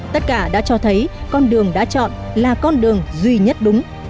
tất cả đã cho thấy con đường đã chọn là con đường duy nhất đúng